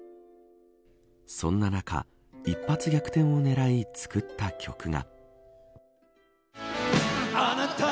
そんな中、一発逆転を狙い作った曲が。